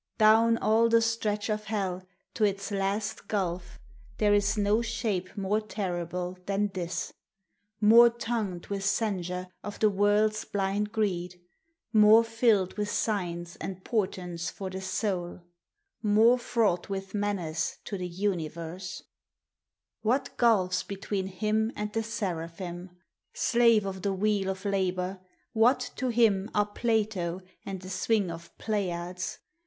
Down all the stretch of Hell to its Last gulf There is no shape more terrible than this— More tongued with censure of the world's blind greed — More tilled with signs and portents for the soul More fraught with menace to the anivei What gulfs between him and the seraphim! Slave of the wheel of Labor, what to him 394 POEMS OF SENTIMENT. Are Plato and the swing of Pleiades